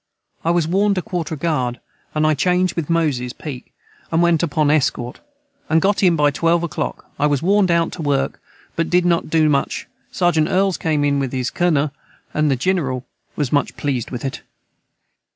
I was warned a quarter guard and I changed with Moses Peak and went upon the Escort & got in by 12 a clock I was warned out to work but did not do much sergent Erls com in with his Con nu and the Jineral was much pleased with it.